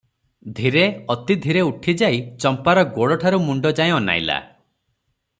ଧୀରେ, ଅତି ଧୀରେ ଉଠିଯାଇ ଚମ୍ପାର ଗୋଡ଼ଠାରୁ ମୁଣ୍ତ ଯାଏ ଅନାଇଲା ।